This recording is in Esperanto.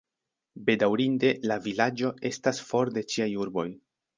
Bedaŭrinde, la vilaĝo estas for de ĉiaj urboj.